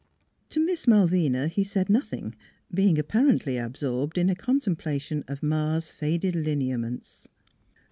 To Miss Malvina he said nothing, being apparently absorbed in a contemplation of Ma's faded lineaments.